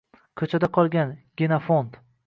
«Ko‘chada qolgan» genofond